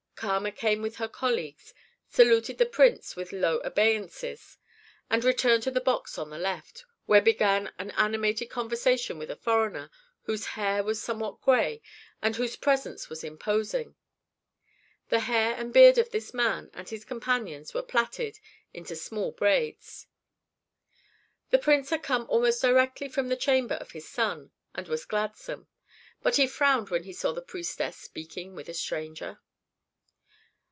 Kama came with her colleagues, saluted the prince with low obeisances, and returned to the box on the left, where began an animated conversation with a foreigner whose hair was somewhat gray and whose presence was imposing. The hair and beard of this man and his companions were plaited into small braids. The prince had come almost directly from the chamber of his son, and was gladsome. But he frowned when he saw the priestess speaking with a stranger.